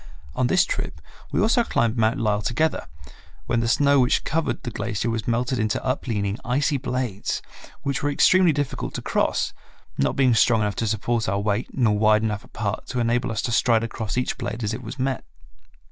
On this trip we also climbed Mount Lyell together, when the snow which covered the glacier was melted into upleaning, icy blades which were extremely difficult to cross, not being strong enough to support our weight, nor wide enough apart to enable us to stride across each blade as it was met.